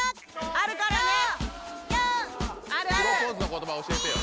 あるあるプロポーズの言葉教えてよ